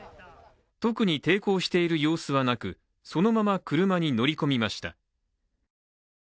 特に抵抗している様子はなく、そのまま車に乗り込みました。